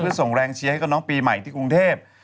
เพื่อส่งแรงเชียร์ให้กับน้องปีใหม่ที่กรุงเทพ